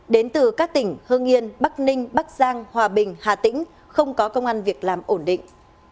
đến từ các tỉnh hương yên bắc ninh bắc giang hòa bình hà tĩnh không có công an việc làm ổn định